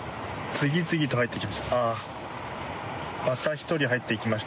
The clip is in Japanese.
次々と入っていきます。